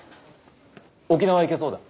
沖縄行けそうだ。